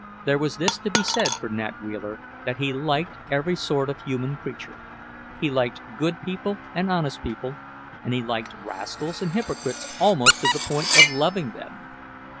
There was this to be said for Nat Wheeler, that he liked every sort of human creature; he liked good people and honest people, and he liked rascals and hypocrites almost to the point of loving them.